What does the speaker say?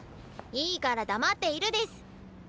いいから黙っているデス！